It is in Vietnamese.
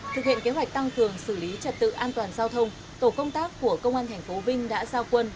thực hiện kế hoạch tăng cường xử lý trật tự an toàn giao thông tổ công tác của công an tp vinh đã giao quân